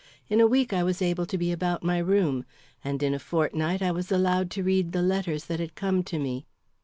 In a week I was able to be about my room; and in a fortnight I was allowed to read the letters that had come to me.